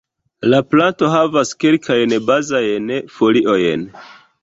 La planto havas kelkajn bazajn foliojn.